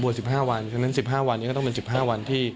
บวช๑๕วันฉะนั้น๑๕วันก็จะเป็น๑๕วันที่